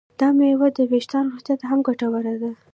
دا میوه د ویښتانو روغتیا ته هم ګټوره ده.